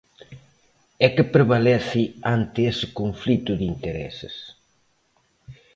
E que prevalece ante ese conflito de intereses?